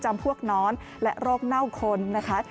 พวกน้อนและโรคเน่าคนนะคะ